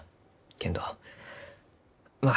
けんどまあ